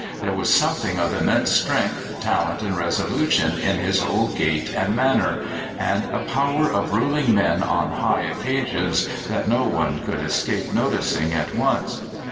There was something of immense strength, talent, and resolution in his whole gait and manner, and a power of ruling men on high occasions that no one could escape noticing at once.